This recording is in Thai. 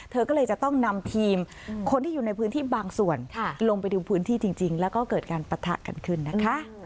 เธอก็เลยจะต้องนำทีมคนที่อยู่ในพื้นที่บางส่วนลงไปดูพื้นที่จริงแล้วก็เกิดการปะทะกันขึ้นนะคะ